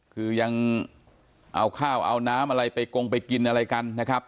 คือยังเอาข้าวเอาน้ำอะไรไปกงไปกินอะไรกันนะครับ